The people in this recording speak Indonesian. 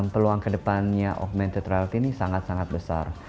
peluang kedepannya augmented reality ini sangat sangat besar